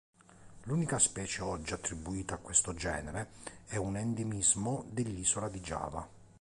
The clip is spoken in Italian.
L'unica specie oggi attribuita a questo genere è un endemismo dell'isola di Giava.